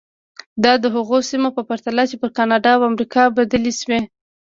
دا د هغو سیمو په پرتله چې پر کاناډا او امریکا بدلې شوې.